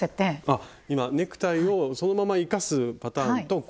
あっ今ネクタイをそのまま生かすパターンとコラージュ。